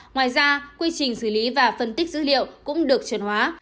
ngoài ra quy trình xử lý và phân tích dữ liệu cũng được chuẩn hóa